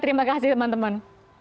terima kasih teman teman